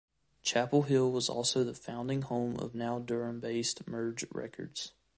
Chapel Hill was also the founding home of now Durham-based Merge Records.